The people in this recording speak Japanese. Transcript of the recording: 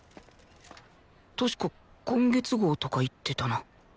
確か今月号とか言ってたな